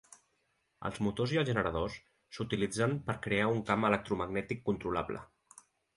Als motors i als generadors s'utilitzen per crear un camp electromagnètic controlable.